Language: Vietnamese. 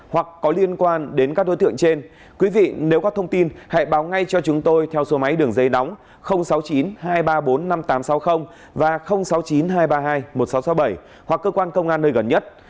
hoặc có liên quan đến các đối tượng trên quý vị nếu có thông tin hãy báo ngay cho chúng tôi theo số máy đường dây nóng sáu mươi chín hai trăm ba mươi bốn năm nghìn tám trăm sáu mươi và sáu mươi chín hai trăm ba mươi hai một nghìn sáu trăm sáu mươi bảy hoặc cơ quan công an nơi gần nhất